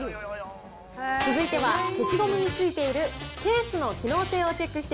続いては消しゴムについているケースの機能性をチェックして